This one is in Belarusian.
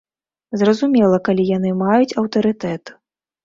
Зразумела, калі яны маюць аўтарытэт.